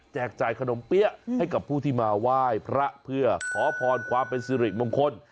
จ่ายขนมเปี๊ยะให้กับผู้ที่มาไหว้พระเพื่อขอพรความเป็นสิริมงคล